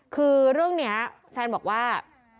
คือเรื่องนี้แซนบอกว่า